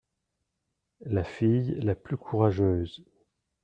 La fille la plus courageuse.